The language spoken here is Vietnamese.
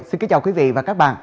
xin kính chào quý vị và các bạn